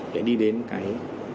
để đi đến cái